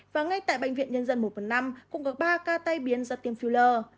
và ngay tại bệnh viện nhân dân một phần năm cũng có ba ca tai biến do tiêm fueler